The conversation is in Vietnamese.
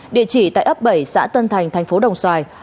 địa chỉ tại ấp bảy xã tân thành thành phố đồng xoài